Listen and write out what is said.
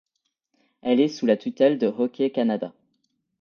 Elle est sous la tutelle de Hockey Canada.